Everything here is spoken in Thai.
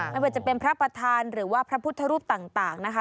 ไม่ว่าจะเป็นพระประธานหรือว่าพระพุทธรูปต่างนะคะ